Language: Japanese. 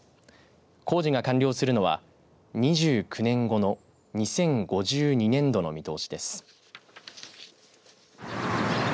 工事が完了するのは、２９年後の２０５２年度の見通しです。